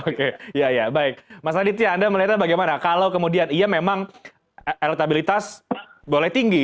oke ya baik mas aditya anda melihatnya bagaimana kalau kemudian iya memang elektabilitas boleh tinggi